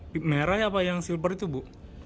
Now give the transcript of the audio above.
pip merah ya apa yang silver itu bu